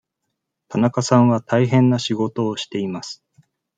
田中さんは大変な仕事をしています。